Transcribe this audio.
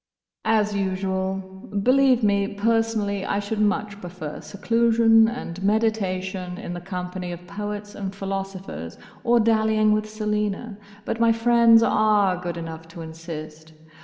"As usual. Believe me, personally I should much prefer seclusion and meditation in the company of poets and philosophers, or dallying with Selina; but my friends are good enough to insist.